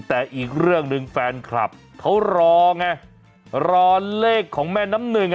แต่อีกเรื่องหนึ่งแฟนคลับเขารอไงรอเลขของแม่น้ำหนึ่ง